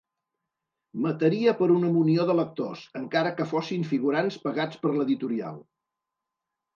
Mataria per una munió de lectors, encara que fossin figurants pagats per l'editorial.